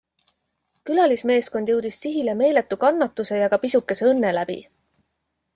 Külalismeeskond jõudis sihile meeletu kannatuse ja ka pisukese õnne läbi.